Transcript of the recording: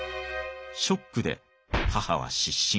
ショックで母は失神。